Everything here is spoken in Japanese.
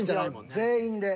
全員で。